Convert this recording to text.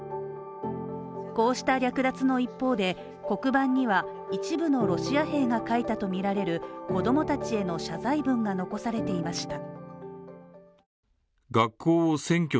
こうした略奪の一方で、黒板には、一部のロシア兵が書いたとみられる子供たちへの謝罪文が残されていました。